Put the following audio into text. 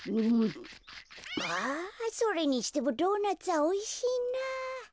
あそれにしてもドーナツはおいしいな。